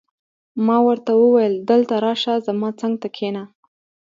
ما ورته وویل: دلته راشه، زما څنګ ته کښېنه.